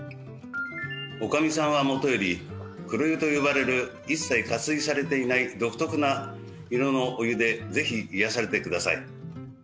女将さんはもとより黒湯と呼ばれる一切加水されていない独特な色のお湯でぜひ癒やされてください。